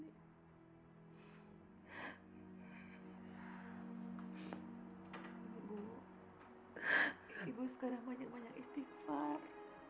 ibu sekarang banyak istighfar